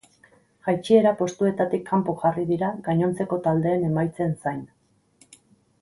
Jaitsiera postuetatik kanpo jarri dira gainontzeko taldeen emaitzen zain.